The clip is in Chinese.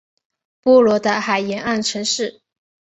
波罗的海沿岸城市。